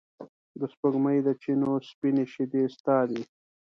د سپوږمۍ د چېنو سپینې شیدې ستا دي